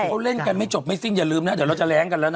เขาเล่นกันไม่จบไม่สิ้นอย่าลืมนะเดี๋ยวเราจะแรงกันแล้วนะ